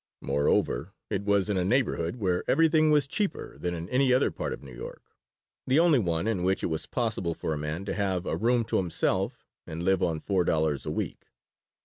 Moreover, it was a neighborhood where everything was cheaper than in any other part of New York, the only one in which it was possible for a man to have a "room" to himself and live on four dollars a week.